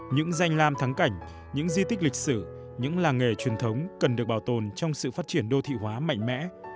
những danh lam thắng cảnh những di tích lịch sử những làng nghề truyền thống cần được bảo tồn trong sự phát triển đô thị hóa mạnh mẽ